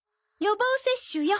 予防接種よ。